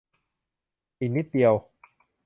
อีกนิดเดียว